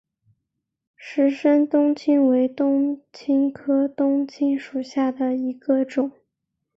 石生冬青为冬青科冬青属下的一个种。